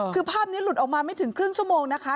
คือภาพนี้หลุดออกมาไม่ถึงครึ่งชั่วโมงนะคะ